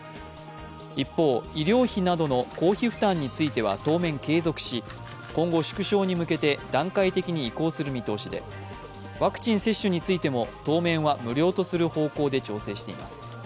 一方、医療費などの公費負担については当面継続し今後、縮小に向けて段階的に移行する見通しで、ワクチン接種についても当面は無料とする方向で調整しています。